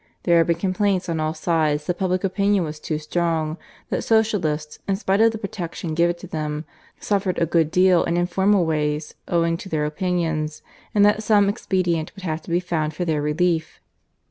There had been complaints on all sides that public opinion was too strong, that Socialists, in spite of the protection given to them, suffered a good deal in informal ways owing to their opinions, and that some expedient would have to be found for their relief.